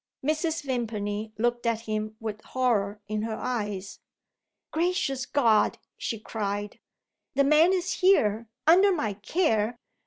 Mrs. Vimpany looked at him with horror in her eyes. "Gracious God!" she cried, "the man is here under my care.